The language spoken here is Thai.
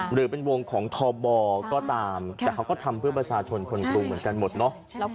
หรือเป็นวงของทบก็ตามแต่เขาก็ทำเพื่อประชาชนคนกรุงเหมือนกันหมดเนอะ